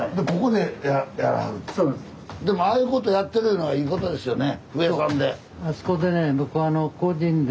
でもああいうことをやってるいうのはいいことですよね。